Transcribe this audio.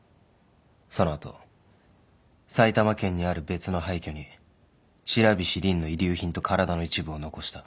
その後埼玉県にある別の廃虚に白菱凜の遺留品と体の一部を残した。